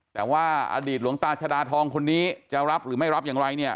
แต่ว่าอดีตหลวงตาชดาทองคนนี้จะรับหรือไม่รับอย่างไรเนี่ย